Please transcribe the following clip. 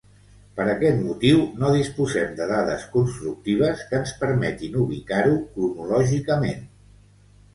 Per aquest motiu no disposem de dades constructives que ens permetin ubicar-ho cronològicament.